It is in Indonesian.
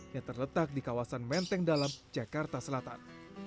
yang terletak di kawasan menteng dalam jakarta selatan